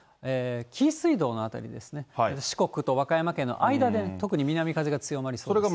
紀伊水道の辺りですね、四国と和歌山県の間で、特に南風が強まりそうです。